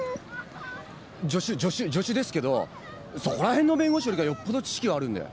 助手助手助手ですけどそこら辺の弁護士よりかよっぽど知識はあるんで。